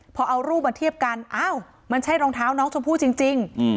พอเอารูปมาเทียบกันอ้าวมันใช่รองเท้าน้องชมพู่จริง